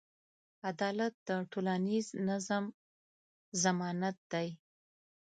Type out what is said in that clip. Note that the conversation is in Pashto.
عدالت د ټولنیز نظم ضمانت دی.